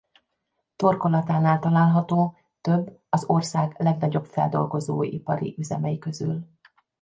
Torkolatánál található több az ország legnagyobb feldolgozóipari üzemei közül.